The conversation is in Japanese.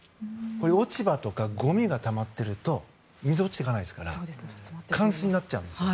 落ち葉とかごみがたまっていると水が落ちていきませんから冠水になっちゃうんです。